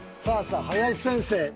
さあさあ林先生。